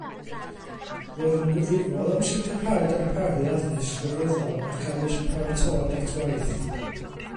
Roedd yn gyfrifol am sicrhau darparu addysg grefyddol ac addysg paratoad at waith.